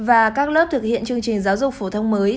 và các lớp thực hiện chương trình giáo dục phổ thông mới